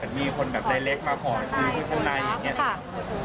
แต่มีคนแบบไดเรกมาขอคุยกับผู้นายอย่างเงี้ย